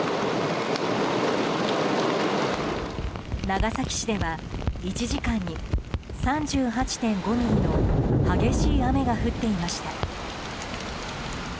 長崎市では１時間に３８．５ミリの激しい雨が降っていました。